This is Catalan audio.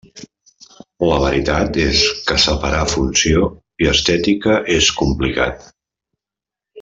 La veritat és que separar funció i estètica és complicat.